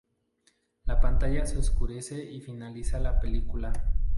La pantalla se oscurece y finaliza la película.